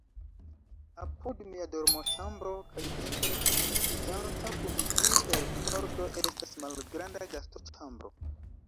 Apud mia dormoĉambro kaj interkomunikiĝanta kun ĝi per pordo estas malgranda gastoĉambro.